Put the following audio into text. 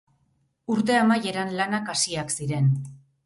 Urte amaieran lanak hasiak ziren.